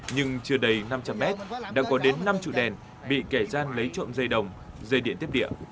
nhưng chưa đầy năm trăm linh mét đã có đến năm trụ đèn bị kẻ gian lấy trộm dây đồng dây điện tiếp địa